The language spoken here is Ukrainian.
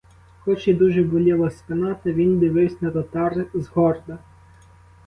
Хоч і дуже боліла спина, та він дививсь на татар згорда.